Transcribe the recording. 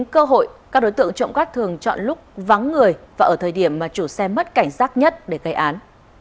các đối tượng trộm cắp thường chọn lúc vắng người và ở thời điểm chủ xe mất cảnh giác nhất để gây án